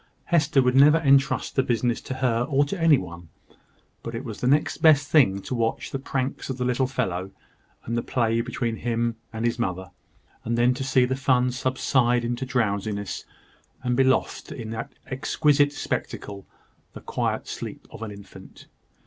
Hester would never entrust the business to her or to any one: but it was the next best thing to watch the pranks of the little fellow, and the play between him and his mother; and then to see the fun subside into drowsiness, and be lost in that exquisite spectacle, the quiet sleep of an infant.